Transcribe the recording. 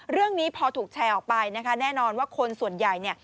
เรื่องนี้พอถูกแชร์ออกไปนะคะแน่นอนว่าคนส่วนใหญ่เนี่ย